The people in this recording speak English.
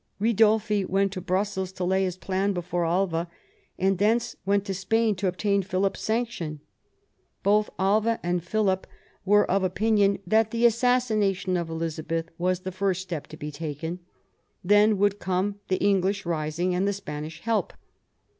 Ridolfi went to Brussels to lay his plan before Alva, and thence went to Spain to obtain Philip's sanction. Both Alya and Philip were of opinion that the as sassination of Elizabeth was the first step to be taken; then would come the English rising and the Spanish help.